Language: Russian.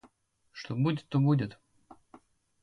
Что будет, то будет!